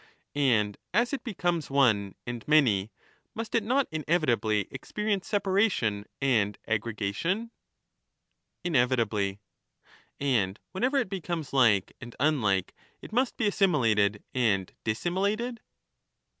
And as it becomes one and many, must it not inevitably experience separation and aggregation ? Inevitably. And whenever it becomes like and unlike it must be assimi lated and dissimilated